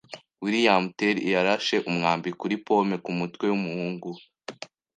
[T] William Tell yarashe umwambi kuri pome kumutwe wumuhungu we.